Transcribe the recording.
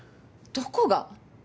どこが？